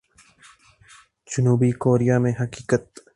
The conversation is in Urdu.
جنوبی کوریا میں حقیقت۔